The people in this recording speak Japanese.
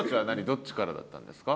どっちからだったんですか？